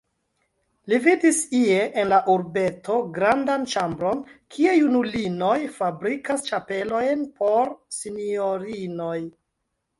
Li vidis ie en la urbeto grandan ĉambron, kie junulinoj fabrikas ĉapelojn por sinjorinoj.